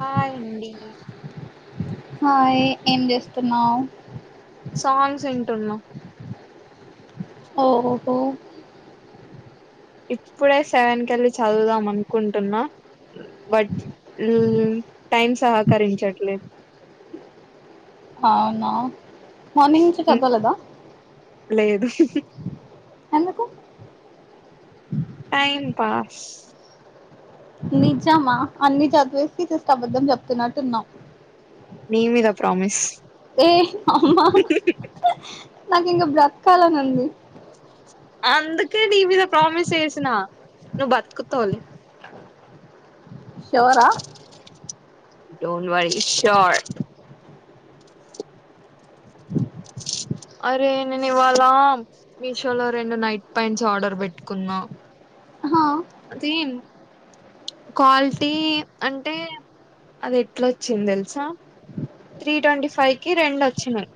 Hi అండీ hi ఏం చేస్తున్నావు టున్నా ఓహోహో ఇప్పుడే సెవెన్ కెళ్ళి చదువుదాం అనుకుంటున్నా బట్ ఉమ్ టైం సహకరించట్లేదు అవునా మార్నింగ్ నుంచి చదవలేదా సి ఎందుకు టైం పాస్ నిజమా అన్ని చదివేసి జస్ట్ అబద్ధం చెప్తున్నట్టున్నావ్ నమీ మీద ప్రామిస్ ఏ అమ్మా నాకు ఇంకా బ్రతకాలనుంది అందుకే నీ మీద ప్రామిస్ ఎసినా నువ్వు బతుకుతావ్ లే షో రా డోంట్ వర్రీ షోర్ అరే నేను ఇవాళ మీషో లో రెండు నైట్ ప్యాంట్స్ ఆర్డర్ పెట్టుకున్నా అ అదీం క్వాలిటీ అంటే అది ఎట్లాచ్చిందెలుసా త్రీ ట్వంటీ ఫైవ్ కి రెండు వచ్చినాయి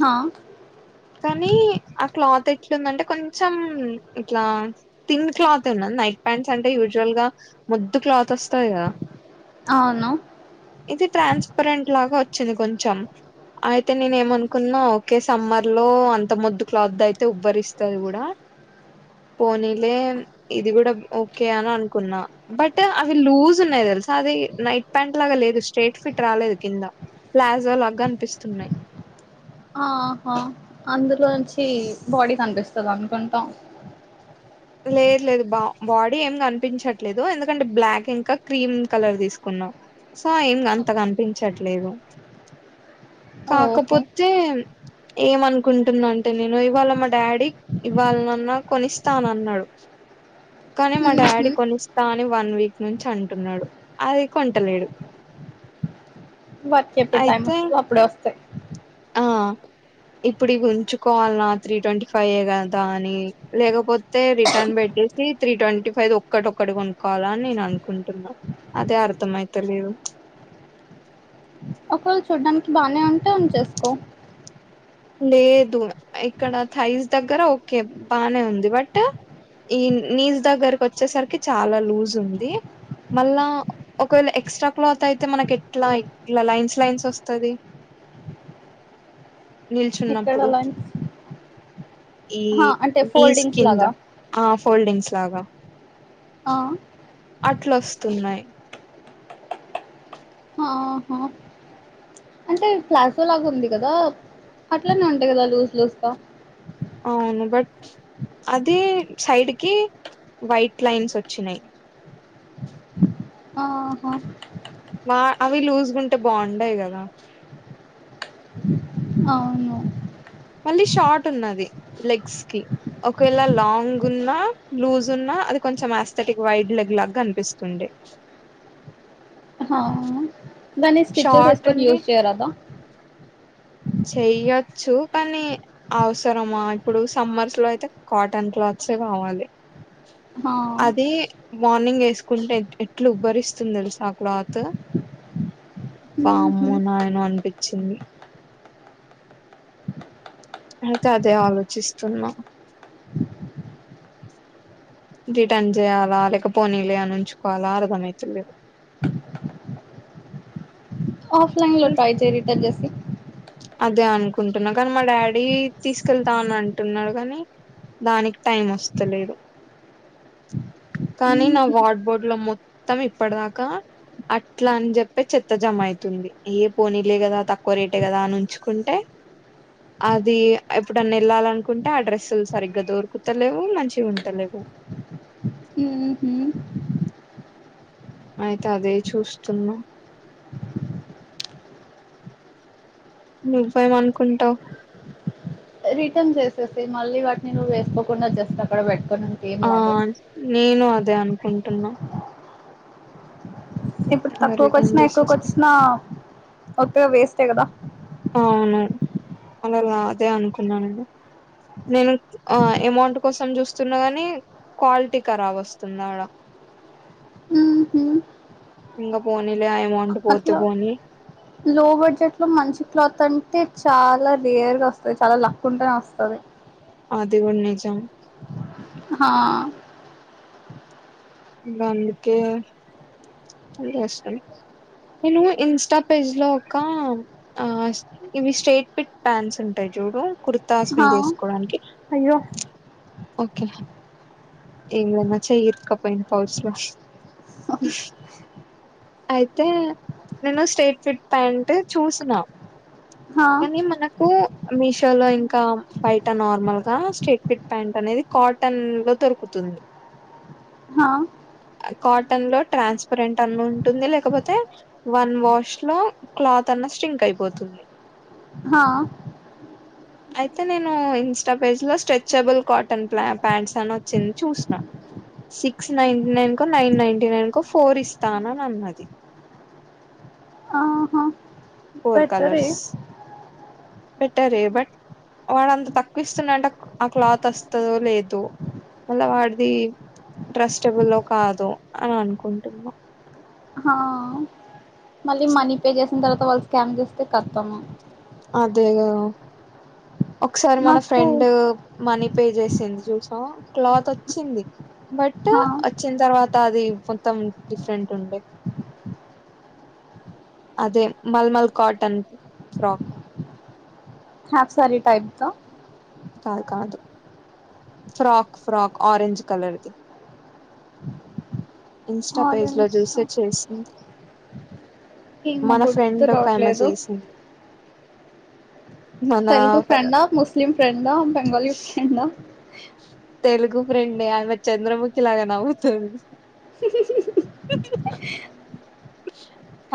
హా కానీ ఆ క్లాత్ ఎట్లుందంటే కొంచెం ఇట్లా థిన్ క్లాత్ ఉనాది నైట్ ప్యాంట్స్ అంటే యూజువల్ గా ముద్దు క్లాత్ వస్తాయి కదా అవును ఇది ట్రాన్స్పరెంట్ లాగా వచ్చింది కొంచెం అయితే నేను ఏమనుకున్నా ఓకే సమ్మర్ లో అంత మొద్దు క్లాత్ దైతే ఉబ్బరిస్తది కూడా పోనీలే ఇది కూడా ఓకే అని అనుకున్నా బట్ అవి లూజ్ ఉన్నాయి తెలుసా అది నైట్ ప్యాంట్ లాగా లేదు స్ట్రేట్ ఫిట్ రాలేదు కింద ప్లాజో లా గనిపిస్తున్నాయి ఆహా అందులోంచి బాడీ కనిపిస్తుంది అనుకుంటా లేదు లేదు బా బాడీ ఏం కనిపించట్లేదు ఎందుకంటే బ్లాక్ ఇంకా క్రీమ్ కలర్ తీసుకున్నా సో ఏం అంత కనిపించట్లేదు ఓహో కాకపోతే ఏమనుకుంటున్నా అంటే నేను ఇవాళ మా డాడీ ఇవాళనన్న కొనిస్తానన్నా న్నాడు కానీ మా ఉహు డాడీ కొనిస్తా అని వన్ వీక్ నుంచి అంటున్నాడు అది కొంటలేడు వాటికి ఎప్పుడు టైమ్ అయితే వస్తదో అప్పుడే వస్తాయి ఆ ఇప్పుడు ఇవి ఉంచుకోవాల త్రీ ట్వంటీ ఫైవె కదా అని లేకపోతే రిటర్న్ పెట్ ట్టేసి త్రీ ట్వంటీ ఫైవ్ దీ ఒక్కటిక్కటి కొనుక్కోవాల అని నేను అనుకుంటున్నా అదే అర్థమయితలేదు ఒకవేళ చూడ్డానికి బానే ఉంటే ఉన్చేసుకో లేదు ఇక్కడ థైజ్ దగ్గర ఓకే బానే ఉంది బట్ ఈ నీస్ దగ్గరకి వచ్చేసరికి చాలా లూజ్ ఉంది. మళ్ళా ఒకవేళ ఎక్స్ట్రా క్లాత్ అయితే మనకి ఎట్లా ఇట్లా లైన్స్ లైన్స్ వస్తది. ఇక్కడ నిల్చున్నప్పుడు లైన్స్ ఈ హా అంటే నిస్ ఫోల్డింగ్స్ కింద లాగా ఆ ఫోల్డేగ్స్ లాగా ఆ అట్లొస్తున్నాయి. ఆహా అంటే ఫ్లాసోలాగా ఉంది కదా అట్లనే ఉంటాయి కదా లూస్ లూస్ గ అవును బట్ అదే సైడ్కి వైట్ లైన్స్ వచ్చినాయి. ఆహా మా అవి లూజ్గుంటే బాగుండయి కదా అవును మళ్ళీ షార్ట్ ఉన్నది లెగ్స్ కి ఒకవేళ లాంగ్ ఉన్నా లూజ్ ఉన్న అది కొంచెం ఆస్థెటిక్ వైట్ లెగ్ లాగా గనిపిస్తుండే ఆహా ఆ దాన్ని స్టిచెస్ షార్ట్ వేసుకొని యూజ్ చేయరాదా చెయొచ్చు కానీ అవసరమా ఇప్పుడు సమ్మర్స్ లో అయితే కాటన్ క్లాత్ సే కావాలే హాఁ అది మార్నింగ్ యెసుకుంటే ఎట్ ఎట్లు ఉబ్బరిస్తుంది తెలుసా క్లాత్ ఉహు వామ్మో నాయనో అనిపించింది. అయితే అదే ఆలోచిస్తున్నా రిటర్న్ చేయాలా లేకపోనీ లే అని ఉంచుకోవాలా అర్థమయితలేదు. [inaudible] ఆఫ్ లైన్ లో ట్రై చేయి రిటర్న్ చేసి అదే అనుకుంటున్నా కానీ మా డాడీ తీసుకెళ్తా అని అంటున్నాడు కనీ దానికి టైం వస్తలేదు. కానీ నా ఉహు వార్డ్బోర్డు లో మొత్తం ఇప్పట్దాకా అట్లా అని చెప్పే చెత్త జమయితుంది ఏ పోనీలే కదా తక్కువ రేటే కదా అని ఉంచుకుంటే అది ఎప్పుడన్నా ఎళ్ళాలనుకుంటే ఆ డ్రెస్సులు సరిగ్గా దొరుకుతలేవు మంచిగ ఉంటలేవు. బ అయితే అదే చూస్తున్నా నువ్వేం అనుకుంటావ్ రిటర్న్ చేసేసి మళ్ళీ వాటిని నువ్వు వేసుకోకుండా జస్ట్ అక్కడ పెట్ ఆ నేను అదే అనుకుంటున్నా ఇప్పుడు ఇంగ తక్కువకు రిటర్న్ వచ్చినా ఎక్కువకి చేసేస్తే వచ్చినా కొత్తగా వేస్టే కద అవును అనేల అదే అనుకున్నానండి. నేను ఆ అమౌంట్ కోసం చూస్తున్నా గని క్వాలిటీ కరాబ్ వస్తుంది ఆడ హ్మ్ హు ఇంగ పోనీలే ఏమో అట్లా లో బడ్జెట్ లో మంచి క్లాత్ అం అయితే చాలా రేర్ గా వస్తది చాలా లక్ ఉంటేనే వస్తది అదిగుడ్నిజం హాఁ గందుకే అంటే ఇష్టం నేను ఇన్స్టా పేజ్ లో ఒక ఆ ఇవి స్టేట్ పెట్టాల్సి ఉంటది. చూడు కుర్తాస్ హా మీద ఎసుకోవడానికి అయ్యో ఓకే ఇందుల నా చేయి ఇరక్క పోయింది పౌచ్ ల అయితే నేను స్టేట్ ఫిట్ ప్యాంట్ చూసిన హా కానీ మనకు మీషో లో ఇంకా బయట నార్మల్ గా స్ట్రేట్ ఫిట్ ప్యాంట్ అనేది కాటన్ లో దొరుకుతుంది హా కాటన్ లో ట్రాన్స్ ప్రెంట్ అన్ ఉంటుంది లేకపోతే వన్ వాష్ లో క్లాత్ ఉన్న స్ట్రింక్ అయిపోతుంది హాఁ అయితే నేను ఇన్ స్ట పేజ్ లో స్ట్రెచబుల్ కాటన్ ప్లా ప్యాంట్స్ అని వచ్చిం చూష్ న సిక్స్ నైన్ నైన్ కో నైన్ నైన్టీ నైన్ కో ఫోర్ ఇస్తా అన్ అన్నది అ ఫోర్ కలర్స్ బెటర్ ఏ బట్ వాడంత తక్కువ ఇస్తుడంటే ఆ క్లాత్ వస్తదో లేదో మళ్ళా వాడ్ ది ట్రస్టబుల్లో కాదో ఆ అనుకుంటున్నా హావ్ మళ్ళీ మనీ పే చేసిన తర్వాత వాళ్ళు స్కామ్ చేస్తే కత్తమ్ అదేగ ఒకసారి మన నాకు ఫ్రెండ్ మనీ పే చేసింది జూసినవా క్లాత్ వచ్చింది బటు హా వచ్చిన్ తర్వాత తాది కోంత్తం డిఫరెంట్ ఉండే అదే మల్మల్ cotton frock half sari type త కాద్ కాదు ఫ్రాక్ ఫ్రాక్ ఆరేంజ్ కలర్ ది ఇన్ స్ట పేజ్ లో ఆరెంజ్ జుసే చేసింది ఏమో మన గుర్తు ఫ్రెండ్ ఒక ఆమె రావట్లేదు చేసింది మన తెలుగు ఫె- ఫ్రెండ్ ఆ ముస్లిం ఫ్రెండ్ ఆ బెంగాళీ ఫ్రెండ్ ఆ తెలుగు ఫ్రెండే ఆమె చంద్రముఖి లాగా నవ్వుతద్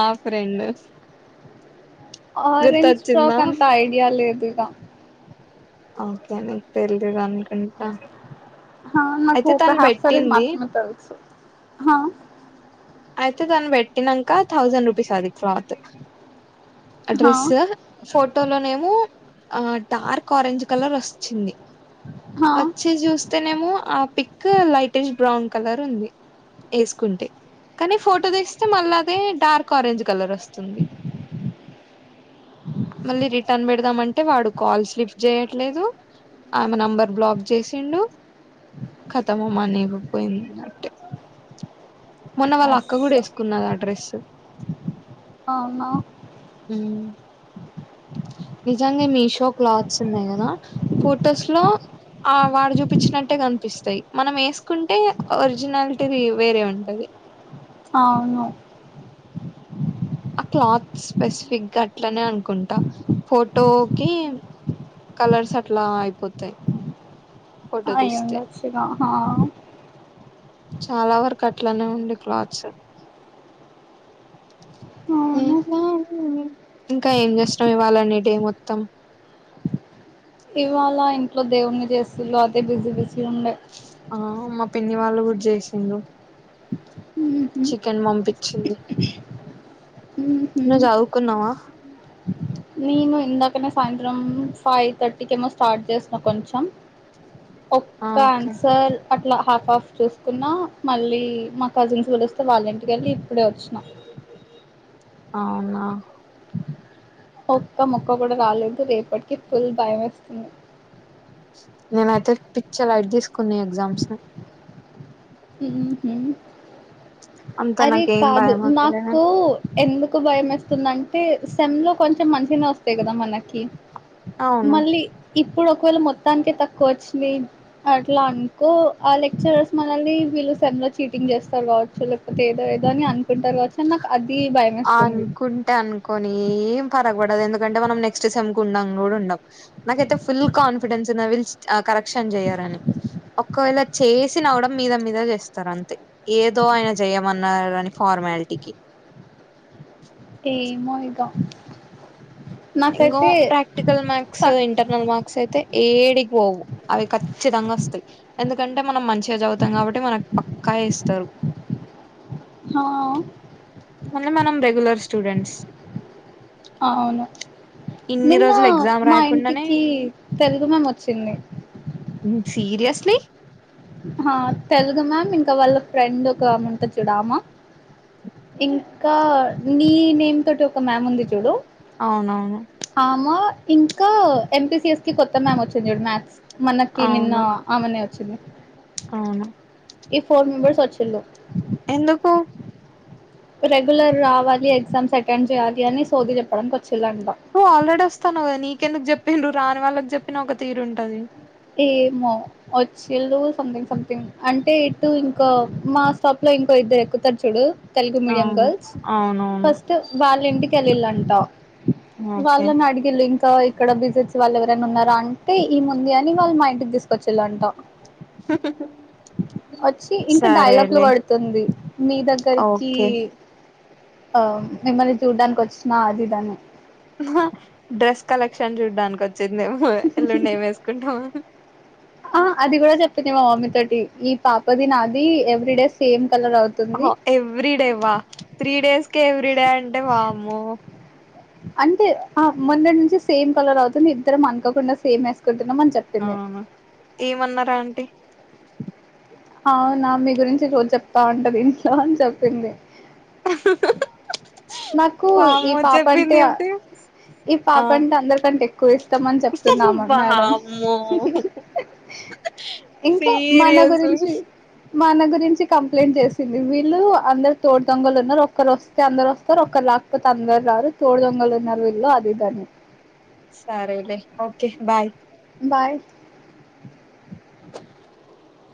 ఆ ఫ్రెండు ఆరెంజ్ ఫ్రాక్ అంతా ఐడియా లేదు గా ఓకే నీక్ తెల్ దు అనుకుంట ఆ నాకు ఒక హ్యఫ్ సారీ స్ ది మాత్రమే తెలుసు హాఁ అయితే దాన్ పెట్టినంక థౌజెండ్ రూపీస్ అది క్లాతు హా అడ్రసు ఫోర్ ఫోటో లోనేమో ఆ డార్క్ ఆరెంజ్ కలర్ వస్ వచ్చింది హా వచ్చి చూస్తేనేమో ఆ పిక్కు లైటిష్ బ్రౌన్ కలరు ఉంది ఏసుకుంటే కానీ ఫోటో తీస్తే మళ్ళా అదే డార్క్ ఆరెంజ్ కలర్ వస్తుంది మళ్ళీ రిటన్ పెడదామ్ అంటే వాడు కాల్స్ లీఫ్ జేయట్లేదు ఆమ నంబర్ బ్లాక్ చేసిండు కథము మనీ గూ పోయింద్ అట్టే [unintelligible] మొన్న వాళ్ళ అక్క అస్స కూడా ఏసుకున్నది ఆ డ్రస్సు అవునా ఉమ్ నిజంగా మీషో క్లాత్స్ ఉన్నాయి కదా ఫూటోస్ లో ఆ వాడు జుపిచినట్టే కనిపిస్తాయి మనం వేసుకుంటే ఒరిజినాలిటీ వేరే ఉంటది అవును ఆ క్లాత్ స్పెస్ ఫిగ్ గా అట్లనే అనుకుంటా ఫోటోకి కలర్స్ అట్లా అయిపోతయి అయ్యి ఉండొచ్చుగా చాలా వరకు అట్లనే ఉండి క్లాత్స్ అవును ఇంకా ఏం చేస్తున్నావ్ ఇవాళ డే మొత్తం ఇవాళ ఇంట్లో దేవుణ్ణ చేసిన్లు అదే బిజీ బిజీ ఉండే ఆ మా పిన్ని వాళ్ళు కూడా చేసిడ్లు ఊహు చికెన్ పంపించింది ఊహు నువు చదువుకున్నవ నేను ఇందాకనే సాయంత్రం ఫైవ్ థర్టీకి ఏమో స్టార్ట్ చేసిన కొంచెం ఆ ఓకే ఒక్కన్సర్ అట్లా హాఫ్ హాఫ్ చూసుకున్నా మళ్ళీ మా కజిన్స్ పిలిస్తె వాళ్ళంటికెళ్ళి ఇప్పుడే వచ్చిన [unintelligible] అవునా ఒక్క ముక్క కూడా రాలేదు రేపట్ కీ ఫుల్ భయం యేస్తుంది నేనైతే పిచ్చా లైట్ తీసుకున్న ఈ ఎగ్జామ్స్ ని హుహు. అంత అరే నాకేం కాదు భయం అవుతలే నాకు ఎందుకు బయం వేస్తుందంటే సంధ్య కొంచెం మంచిగా స్తాయి కదా మనకి అవును మళ్ళీ ఇప్పుడు ఒక్వేళ మొత్తానికే తక్కువ అచ్చింది అట్లా అనుకో ఆ లెక్చరర్స్ మనల్ని వీళ్ళు సెమ్ లో చీటింగ్ చేస్తారు కావచ్చు లేక్ ఎది ఇది అని అనుకుంటారు కావచ్చు అని నాకు అది భయమేస్తుంది కొన్ని ఏం ఫరక్ పడది ఎందుకంటే మనం నెక్స్ట్ సెమ్ కు ఉండం కూడా ఉండం నాకైతే ఫుల్ కాన్ఫిడెన్స్ తునవిల్స్ ఆ కరెక్షన్ చేయారని ఒకవేళ చేసిన కూడా మీద మీద చేస్తారు అంతే ఏదో ఆయన చేయమన్నారు అని ఫార్మాలిటీ ఇంటికి ఏమొ ఇగ ఇంగో నాకైతే ప్రాక్టికల్ మార్క్స్ తక్ ఇంటర్నల్ మార్క్స్ అయితయి ఏడికి వోవు అవి ఖచ్చితంగా అస్తాయి ఎందుకంటే మనం మంచిగా చదువుతం కాబట్టి మనకు పక్క ఎస్తరు ఆ మళ్ళా మనం రెగ్యులర్ స్టూడెంట్స్ ఆ అవును ఇన్ని నిన్న రోజులు ఎగ్జామ్ మా రాయకుండానే ఇంటికి తెలుగు మేం వోచ్చింది ఉ సీరియస్లీ ఆ తెలుగు మ్యామ్ ఇంకా వాళ్ళ ఫ్రెండ్ ఒక ఆముంటది చూడ్ ఆమా ఇంకా నీ నేమ్ తోటి ఒక మ్యామ్ ఉంది చూడు అవునవును ఆమ ఇంకా ఎంపిసిఎస్ కి కొత్త మ్యామ్ వచ్చింది చూడు మ్యాథ్స్ మనకి నిన్న అవును ఆమెనే వచ్ చ్చింది అవును ఈ ఫోర్ మెంబర్స్ వచ్చిల్లు ఎందుకు రెగ్యులర్ రావాలి ఎగ్జామ్స్ అటెండ్ చేయాలి అని సోది చెప్పడానికి వోచ నువ్ ఆల్రెడీ వస్తన్నవ్ కదా నీకెందుకు చెప్పిండ్లు రాని వాళ్ళకి చెప్పిన ఒక తీరు ఉంటది వోచ్చిల్లు సంథింగ్ సంథింగ్ అంటే ఇటు ఇంకో మా స్టాప్ లో ఇంకో ఇద్దరు ఎక్కుతరు చూడు తెలుగు మీడియం అవును గర్ల్స్ అవునవును ఫస్ట్ వాళ్ళింటికి కెళ్ళిలంట ఓకే వాళ్ళనడిగిల్లు ఇంకా ఆ ఇక్కడ బిజెడ్సి వాళ్ళు ఎవరన్న ఉన్నారా అంటే ఈముంది అని వాళ్ మా ఇంటికి తిసు కచ్చిలంటా వచ్చి ఇంకా డైలాగ్లు సరేలే కోడుతుంది నీ దగ్గరికి ఓకే ఆ మిమ్మల్ని చూడ్డానికి వచ్చిన అది ఇదని డ్రెస్ కలెక్షన్ చూడ్డానికోచ్చిందేమో ఎల్లుండి ఏం వేసుకుంటామొ ఆ అది కూడా చెప్పింది మా మమ్మీ తోటి ఈ పాపది నాది ఎవ్రిడే సేమ్ కలర్ అవుతుంది అహొ ఎవ్రీ డే వా త్రీ డేస్కే ఎవ్రీ డే అంటే వామ్మొ అంతే ఆ మొన్నట్నించి సేమ్ కలర్ అవుతుంది ఇద్దరం అనుకోకుండా సేమ్ వేసు తిన్నం అని చెప్పింది అవును [inaudible] అవునా మీ గురించి రోజ్ చెప్తా ఉంటది ఇంట్లో అని చెప్పింది [unintelligible] నాకు ఈ వామ్మో పాప అంటే చెప్పింది ఆ చెప్తే ఈ పాప ఆ అంటే అందరికంటే ఎక్కువ ఇ ష్టమని చెప్తున్నాము మేడం వామ్మో ఇంక్ మన సీరియస్లీ గురించి మన గురించి కంప్లైంట్ చేసింది, వీళ్ళు అందరు తోడు దొంగలు ఉన్నరు, ఒక్కరు వస్తే అందరు వస్త ఒకరు రాకపోతే అందరు రారు తోడ దొంగలు ఉన్నారు వీళ్ళు అది ఇది అని సరేలే ఓకే బాయ్ బాయ్